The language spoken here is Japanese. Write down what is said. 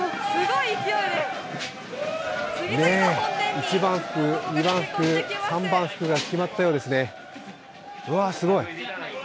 一番福、二番福、三番福が決まったようですね。